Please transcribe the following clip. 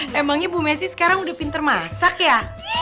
wah emangnya ibu messi sekarang udah pinter masak ya